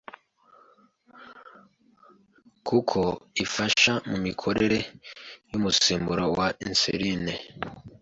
kuko ifasha mu mikorere y’umusemburo wa insuline,